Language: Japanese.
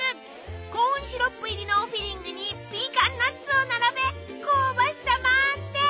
コーンシロップ入りのフィリングにピーカンナッツを並べ香ばしさ満点。